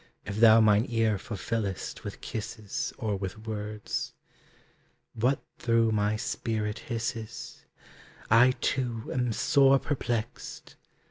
If thou mine ear fulfillest With kisses or with words. What through my spirit hisses? I, too, am sore perplexed!